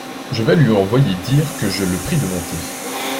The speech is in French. Je vais lui envoyer dire que je le prie de monter.